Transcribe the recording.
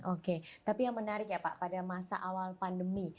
oke tapi yang menarik ya pak pada masa awal pandemi